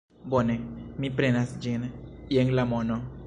Bone, mi prenas ĝin; jen la mono.